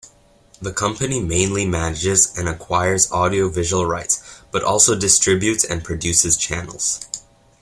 The company mainly manages and acquires audio-visual rights, but also distributes and produces channels.